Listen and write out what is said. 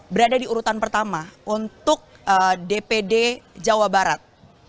berada di urutan pertama untuk dpd jawa barat